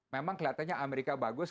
memang kelihatannya amerika bagus